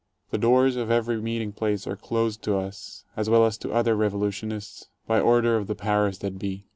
The doors of every meeting place are closed to us, as well as to other revolutionists, by order of the powers that be.